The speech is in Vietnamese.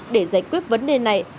để giải quyết vấn đề này